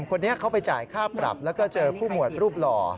คนนี้เขาไปจ่ายค่าปรับแล้วก็เจอผู้หมวดรูปหล่อ